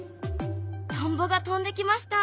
トンボが飛んできました。